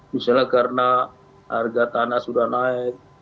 misalnya karena harga tanah sudah naik